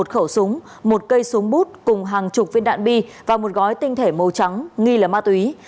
một khẩu súng một cây súng bút cùng hàng chục viên đạn bi và một gói tinh thể màu trắng nghi là ma túy